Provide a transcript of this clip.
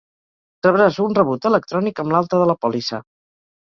Rebràs un rebut electrònic amb l'alta de la pòlissa.